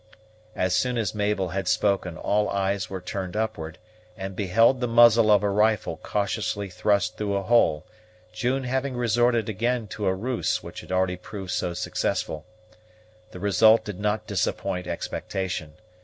As soon as Mabel had spoken, all eyes were turned upward, and beheld the muzzle of a rifle cautiously thrust through a hole, June having resorted again to a ruse which had already proved so successful. The result did not disappoint expectation.